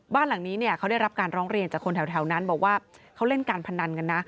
บ้านหลังนี้เนี่ยเขาได้รับการร้องเรียนจากคนแถวนั้นบอกว่าเขาเล่นการพนันกันนะ